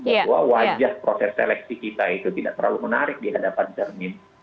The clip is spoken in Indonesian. bahwa wajah proses seleksi kita itu tidak terlalu menarik di hadapan cermin